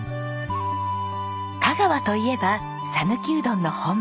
香川といえば讃岐うどんの本場。